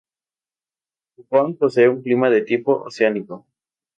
Pucón posee un clima de tipo oceánico.